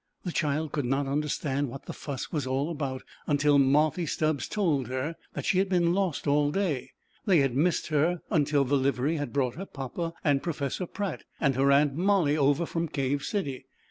The child could not understand what the fuss was all about, until Marthy Stubbs told her that she had been lost all day. They had missed her until the livery had brought her Papa, and Pro fessor Pratt, and her aunt Molly over from Cave City.